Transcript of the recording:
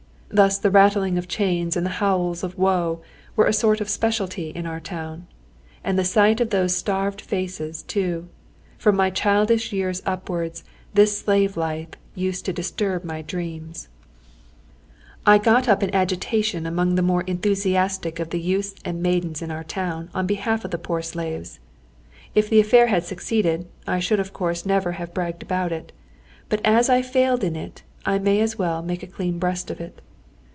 Thus the rattling of chains and the howls of woe were a sort of speciality in our town. And the sight of those starved faces too! From my childish years upwards this slave life used to disturb my dreams. [Footnote 21: They were prisoners condemned to penal servitude.] I got up an agitation among the more enthusiastic of the youths and maidens of our town on behalf of the poor slaves. If the affair had succeeded, I should of course never have bragged about it; but as I failed in it, I may as well make a clean breast of it.